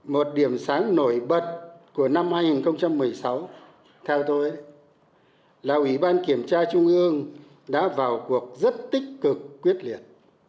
một điểm sáng nổi bật của năm hai nghìn một mươi sáu theo tôi là ủy ban kiểm tra trung ương đã vào cuộc rất tích cực quyết liệt